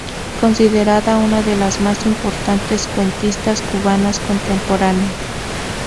Considerada una de las más importantes cuentistas cubanas contemporáneas.